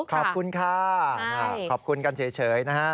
ขอบคุณค่ะขอบคุณกันเฉยนะฮะ